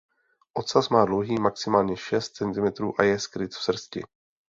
Ocas má dlouhý maximálně šest centimetrů a je skryt v srsti.